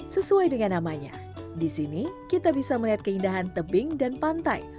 sesuai dengan namanya di sini kita bisa melihat keindahan tebing dan pantai